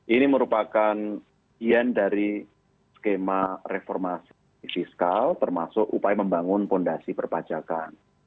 ini merupakan yen dari skema reformasi fiskal termasuk upaya membangun fondasi perpajakan